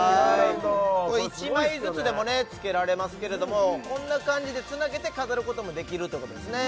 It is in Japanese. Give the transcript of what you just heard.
これ１枚ずつでもねつけられますけれどもこんな感じでつなげて飾ることもできるということですね